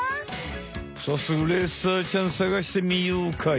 さっそくレッサーちゃんさがしてみようかい。